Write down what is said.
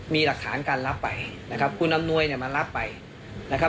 มีหลักฐานการรับไปนะครับคุณอำนวยเนี่ยมารับไปนะครับ